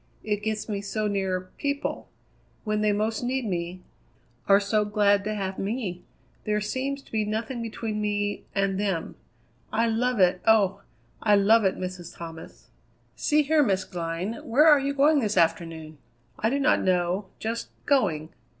It gets me so near people when they most need me are so glad to have me! There seems to be nothing between me and them. I love it, oh! I love it, Mrs. Thomas!" "See here, Miss Glynn, where are you going this afternoon?" "I do not know; just going."